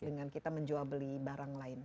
dengan kita menjual beli barang lain